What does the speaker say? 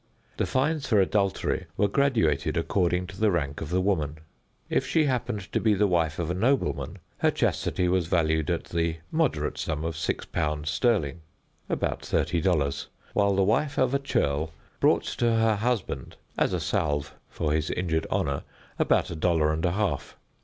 The fines for adultery were graduated according to the rank of the woman. If she happened to be the wife of a nobleman, her chastity was valued at the moderate sum of six pounds sterling (about thirty dollars); while the wife of a churl brought to her husband as a salve for his injured honor about a dollar and a half.